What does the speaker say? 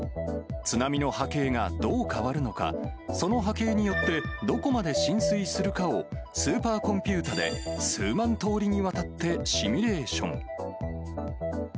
津波の波形がどう変わるのか、その波形によって、どこまで浸水するかを、スーパーコンピュータで数万通りにわたってシミュレーション。